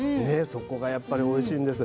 そこがやっぱりおいしいんです。